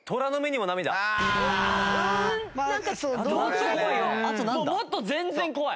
もっと全然怖い。